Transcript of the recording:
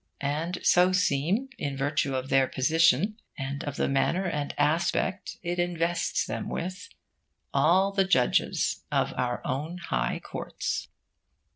And so seem, in virtue of their position, and of the manner and aspect it invests them with, all the judges of our own high courts.